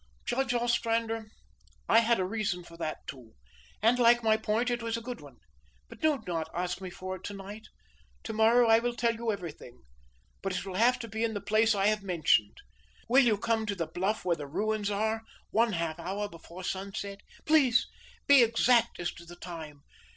"Judge Ostrander, I had a reason for that too; and, like my point, it is a good one. But do not ask me for it to night. To morrow I will tell you everything. But it will have to be in the place I have mentioned. Will you come to the bluff where the ruins are one half hour before sunset? Please, be exact as to the time.